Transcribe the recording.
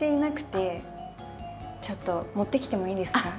ちょっと持ってきてもいいですか？